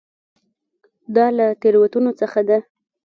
دا له تېروتنو څخه ده.